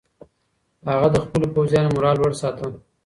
هغه د خپلو پوځیانو مورال لوړ ساته.